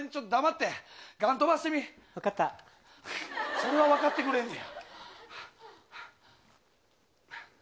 それは分かってくれんねや。